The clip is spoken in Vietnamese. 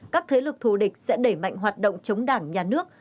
các thế lực thù địch sẽ đẩy mạnh hoạt động chống đảng nhà nước